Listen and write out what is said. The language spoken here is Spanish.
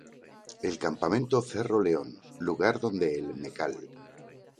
El Campamento Cerro León lugar donde el Mcal.